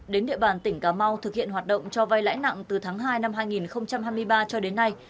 đến địa bàn tỉnh cà mau thực hiện hoạt động cho vay lãi nặng từ tháng hai năm hai nghìn hai mươi ba cho đến nay